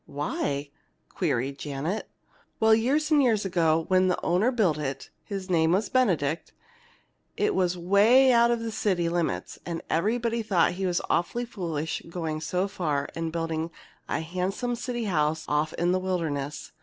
'" "Why?" queried Janet. "Well, because years and years ago, when the owner built it (his name was Benedict), it was 'way out of the city limits, and everybody thought he was awfully foolish, going so far, and building a handsome city house off in the wilderness.